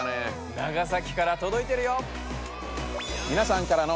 長崎から届いてるよ！